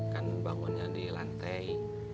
kan bangunnya di lantai